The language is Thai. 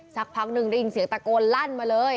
สักพักหนึ่งได้ยินเสียงตะโกนลั่นมาเลย